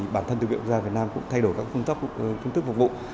bản thân thư viện quốc gia việt nam cũng thay đổi các phương tức phục vụ